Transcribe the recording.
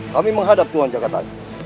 kami menghadap tuhan jakarta